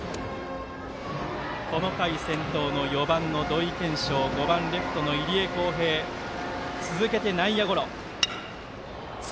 この回先頭の４番の土井研照５番レフトの入江航平続けて内野ゴロ。